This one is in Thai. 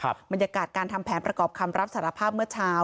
บรรยากาศการทำแผนประกอบคำรับสารภาพเมื่อเช้า